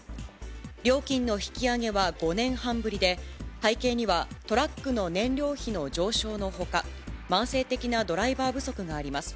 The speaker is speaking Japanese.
料金の引き上げは５年半ぶりで、背景にはトラックの燃料費の上昇のほか、慢性的なドライバー不足があります。